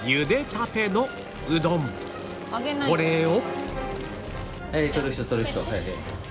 これを